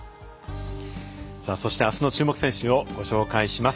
そしてあすの注目選手をご紹介します。